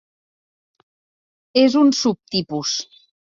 És un subtipus.